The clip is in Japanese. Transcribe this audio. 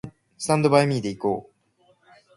スタンドバイミーで行こう